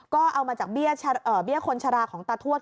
ก็เอามาจากเบี้ยคนชะลาของตาทวด